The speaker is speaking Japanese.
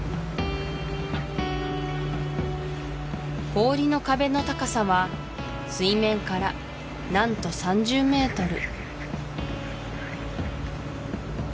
氷の壁の高さは水面から何と３０メートル